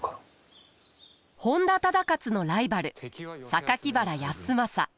本多忠勝のライバル原康政。